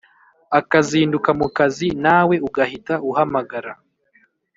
akazinduka mukazi nawe ugahita uhamagara